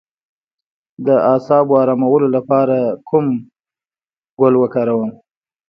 د اعصابو ارامولو لپاره کوم ګل وکاروم؟